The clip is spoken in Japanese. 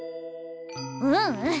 ううん！